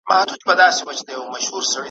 نو به ګورې چي نړۍ دي د شاهي تاج در پرسر کي ,